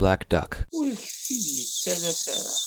Ur ak-t-id-yettales ara.